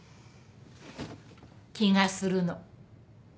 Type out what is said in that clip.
気がするの。